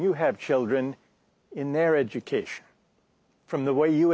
はい。